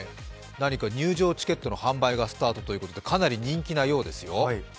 入場チケットの販売がスタートということでかなり人気なようですよ。